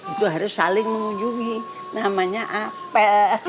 itu harus saling mengunjungi namanya apel